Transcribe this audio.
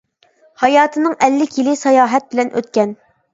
ھاياتىنىڭ ئەللىك يىلى ساياھەت بىلەن ئۆتكەن.